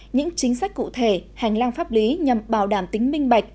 những chính sách cụ thể hành lang pháp lý nhằm bảo đảm tính minh bạch